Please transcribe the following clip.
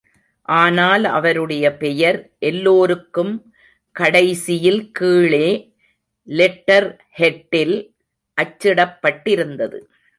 ஆனால் அவருடைய பெயர் எல்லோருக்கும் கடைசியில் கீழே லெட்டர் ஹெட் டில் அச்சிடப் பட்டிருந்தது.